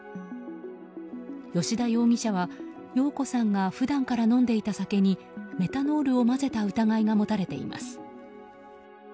吉田容疑者は、容子さんが普段から飲んでいた酒にメタノールを混ぜた疑いが持たれています。